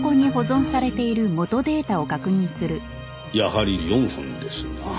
やはり４本ですな。